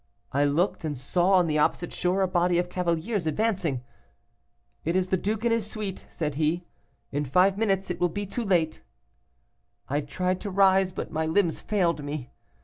I looked, and saw on the opposite shore a body of cavaliers advancing. 'It is the duke and his suite,' said he, 'in five minutes it will be too late.' "I tried to rise, but my limbs failed me.